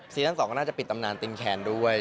ซีซั่ง๒ก็น่าจะปิดตำนานตินแขนด้วย